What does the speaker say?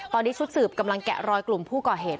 ตอนนี้ชุดสืบกำลังแกะรอยกลุ่มผู้ก่อเหตุ